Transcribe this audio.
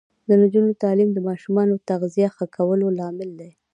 د نجونو تعلیم د ماشومانو تغذیه ښه کولو لامل دی.